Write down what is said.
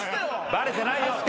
バレてない。